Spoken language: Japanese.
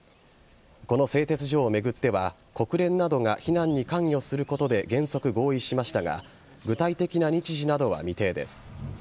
この製鉄所を巡っては国連などが避難に関与することで原則合意しましたが具体的な日時などは未定です。